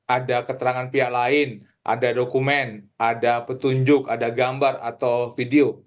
ada keterangan pihak lain ada dokumen ada petunjuk ada gambar atau video